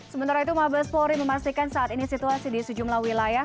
sementara itu mabes polri memastikan saat ini situasi di sejumlah wilayah